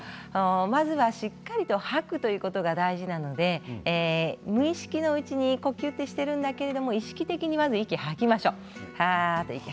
まずは、しっかりと吐くということが大事なので無意識のうちに呼吸をしているんだけど意識的に息を吐きましょう。